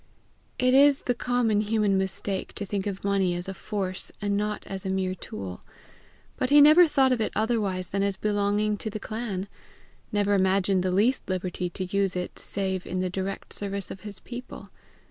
It is the common human mistake to think of money as a force and not as a mere tool. But he never thought of it otherwise than as belonging to the clan; never imagined the least liberty to use it save in the direct service of his people.